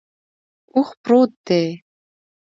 اوښ پروت دے